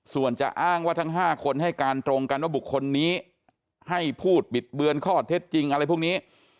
ส่วนจะอ้างว่าทั้ง๕คนให้การตรงกันว่าบุคคลนี้ให้พูดบิดเบือนข้อเท็จจริงอะไรพวกนี้